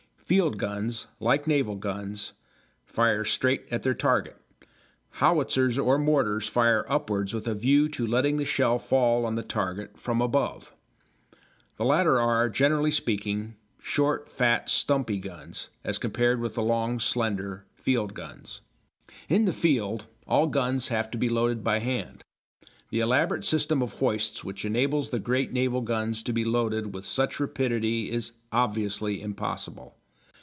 Field guns, like naval guns, fire straight at their target; howitzers or mortars fire upwards with a view to letting the shell fall on the target from above. The latter are, generally speaking, short, fat, stumpy guns, as compared with the long, slender field guns. In the field all guns have to be loaded by hand. The elaborate system of hoists which enables the great naval guns to be loaded with such rapidity is obviously impossible.